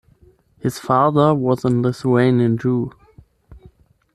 His father was a Lithuanian Jew.